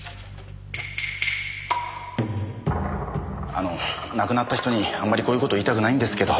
あの亡くなった人にあんまりこういう事言いたくないんですけど。